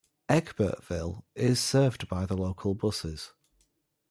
Egbertville is served by the local buses.